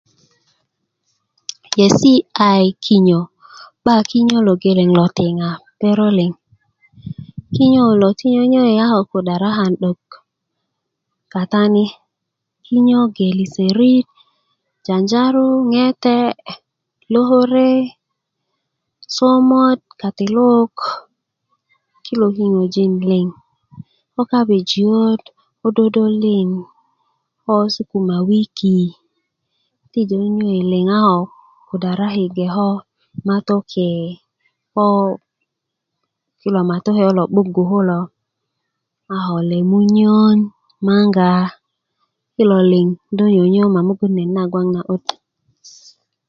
yesi aii ki'yo ba ki'yo lo geleng lo tiaŋa perok liŋ kinyo kulo ti nyönyöyi a ko kudaraki 'dok katani kinyo gbe liserit janjanju ŋete lokore somot katelok kilo kinyojin liŋ ko kabejiyot ko dodojin ko sukumawiki ti nyönyöi liŋ a ko kudaraki geko matokee ko kilo matoke kulo 'bugu kulo a ko lemunyön maŋgaa kilo liŋ do nyönyö ma mogun net na gboŋ na'but